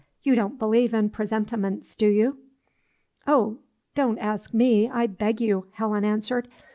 You don't believe in presentiments, do you?" "Oh, don't ask me, I beg you," Helen answered.